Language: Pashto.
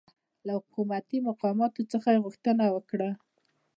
له حکومتي مقاماتو څخه یې غوښتنه وکړه